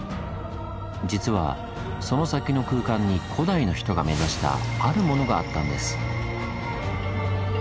実はその先の空間に古代の人が目指した「あるもの」があったんです。